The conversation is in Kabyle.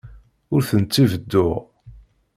Ur tent-id-bedduɣ.